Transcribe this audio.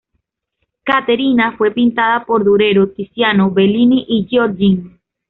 Caterina fue pintada por Durero, Tiziano, Bellini y Giorgione.